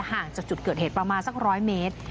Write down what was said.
ห่างจากจุดเกิดเหตุประมาณสัก๑๐๐เมตร